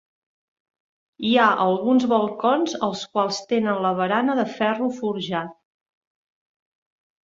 Hi ha alguns balcons els quals tenen la barana de ferro forjat.